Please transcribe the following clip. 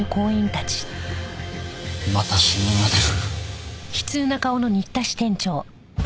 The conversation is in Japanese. また死人が出る。